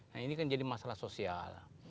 nah ini kan jadi masalah sosial